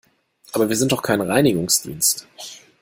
Aber wir sind doch kein Reinigungsdienst!